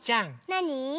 なに？